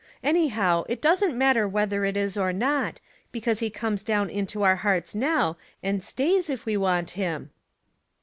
Anyhow it don't matter whether it is or not, because he comes down into our hearts now, and stays if we want him."